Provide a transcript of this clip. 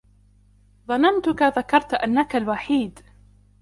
ظننتك ذكرت أنك وحيد.